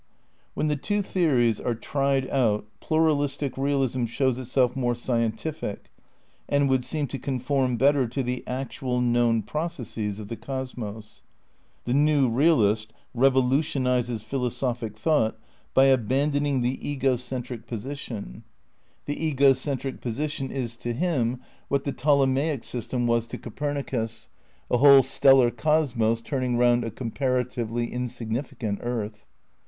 When the two theories are tried out pluralistic realism shows itself more scientific, and would seem to conform better to the actual, known processes of the cosmos. The new realist revolution ises philosophic thought by abandoning the ego centric ' See A Defence of Idealism, pp. 51 74. 11 THE CEITICAL PEEPARATIONS 17 position. The ego centrio position is to him what the Ptolemaic system was to Copernicus, a whole stellar cosmos turning round a comparatively insignificant earth.